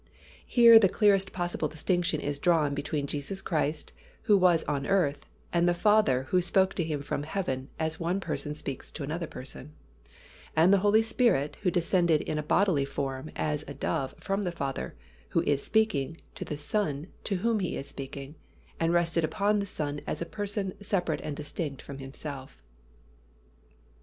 Here the clearest possible distinction is drawn between Jesus Christ, who was on earth, and the Father who spoke to Him from heaven as one person speaks to another person, and the Holy Spirit who descended in a bodily form as a dove from the Father, who was speaking, to the Son, to whom He was speaking, and rested upon the Son as a Person separate and distinct from Himself.